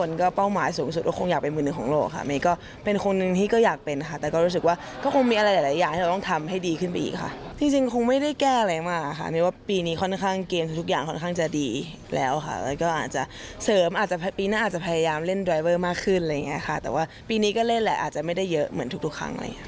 เล่นดรายเวอร์มากขึ้นแต่ว่าปีนี้ก็เล่นแหละอาจจะไม่ได้เยอะเหมือนทุกครั้ง